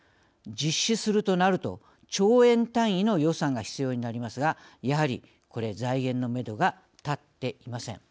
実施するとなると兆円単位の予算が必要になりますがやはりこれ、財源のめどが立っていません。